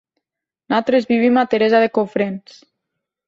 Nosaltres vivim a Teresa de Cofrents.